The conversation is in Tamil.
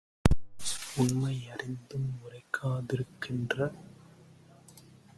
உண்மை யறிந்தும் உரைக்கா திருக்கின்ற